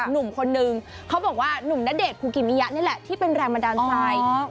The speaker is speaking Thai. นุ่มนเดชน์ภูกิมิยะนี่แหละที่เป็นแรมดานไซม์